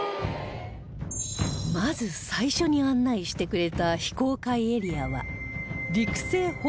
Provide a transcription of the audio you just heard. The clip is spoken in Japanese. まず最初に案内してくれた非公開エリアは